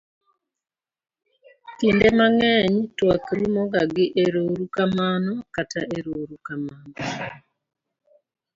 kinde mang'eny twak rumo ga gi erourukamano kata erourukamano